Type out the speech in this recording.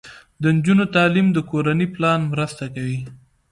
د نجونو تعلیم د کورنۍ پلان مرسته کوي.